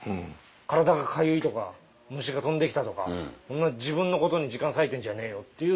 体がかゆいとか虫が飛んできたとかそんな自分のことに時間割いてんじゃねえよっていう。